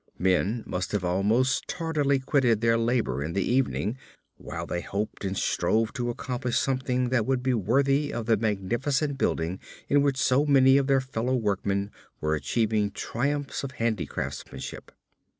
Men must have almost tardily quitted their labor in the evening while they hoped and strove to accomplish something that would be worthy of the magnificent building in which so many of their fellow workmen were achieving triumphs of handicraftsmanship.